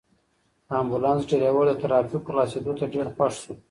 د امبولانس ډرېور د ترافیکو خلاصېدو ته ډېر خوښ شو.